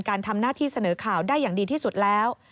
การทำหน้าที่เสนอข่าวได้อย่างดีที่สุดแล้ว